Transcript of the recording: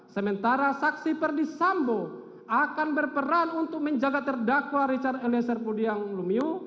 sementara saksi perdisambo akan berperan untuk menjaga terdakwa richard eliezer pudiang lumiu